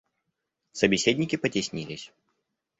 Собеседники потеснились.